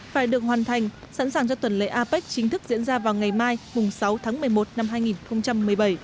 phải được hoàn thành sẵn sàng cho tuần lễ apec chính thức diễn ra vào ngày mai sáu tháng một mươi một năm hai nghìn một mươi bảy